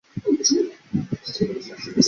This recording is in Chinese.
在十三岁时